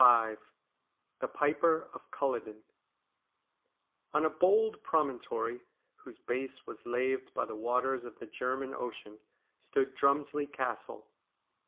55 V THE PIPER OF CULLODEN On a bold promontory whose base was laved by the waters of the German Ocean stood Drumslie Castle.